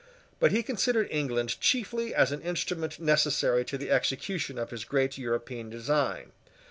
But he considered England chiefly as an instrument necessary to the execution of his great European design.